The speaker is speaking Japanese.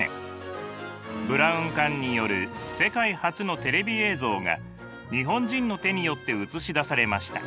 ブラウン管による世界初のテレビ映像が日本人の手によって映し出されました。